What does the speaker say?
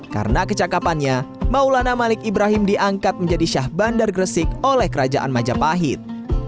karena kecakapannya maulana malik ibrahim diangkat menjadi syah bandar gersik oleh kerajaan majapahit